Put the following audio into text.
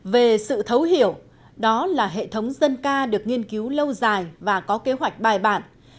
về sự thấu hiểu đó là hệ thống dân ca được nghiên cứu lâu dài và có kế hoạch bài bản